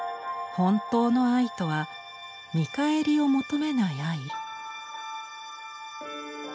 本当の愛とは見返りを求めない愛。